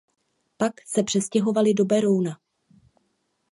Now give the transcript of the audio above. Pak se přestěhovali do Berouna.